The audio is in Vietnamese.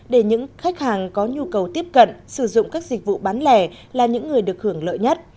để những khách hàng có nhu cầu tiếp cận sử dụng các dịch vụ bán lẻ là những người được hưởng lợi nhất